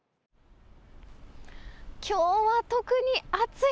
きょうは特に暑い。